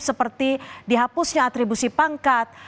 seperti dihapusnya atribusi pangkat